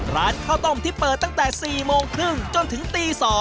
ร้านข้าวต้มที่เปิดตั้งแต่๔โมงครึ่งจนถึงตี๒